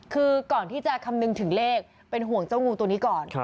คือก่อนที่จะคำนึงถึงเลขเป็นห่วงเจ้างูตัวนี้ก่อน